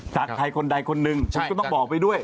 จากใครคนใดคนหนึ่งฉันก็ต้องบอกไปด้วย